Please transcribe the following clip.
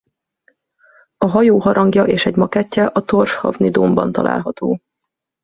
A hajó harangja és egy makettje a Tórshavni dómban található.